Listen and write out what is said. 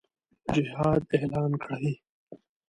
جهاد اعلان کړي.